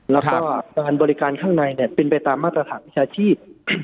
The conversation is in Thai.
แล้วก็การบริการข้างในเป็นไปตามมาตรฐานวิชาชีพ